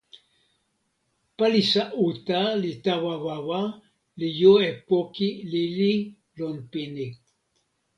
palisa uta li tawa wawa, li jo e poki lili lon pini.